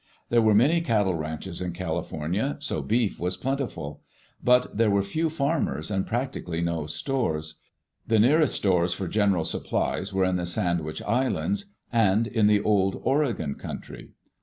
There were many cattle ranches in California, so beef was plentiful. But there were few farmers, and prac tically no stores. The nearest stores for general supplies were in the Sandwich Islands and in the Old Oregon coun try.